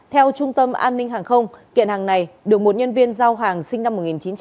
theo trung tâm an ninh hàng không kiện hàng này được một nhân viên giao hàng sinh năm một nghìn chín trăm tám mươi